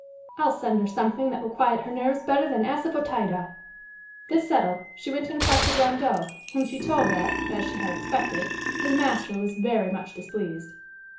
I'll send her something that will quiet her nerves better than assafœtida!" This settled, she went in quest of Rondeau, whom she told that, as she had expected, his master was very much displeased.